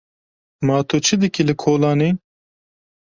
Ma tu çi dikî li kolanê?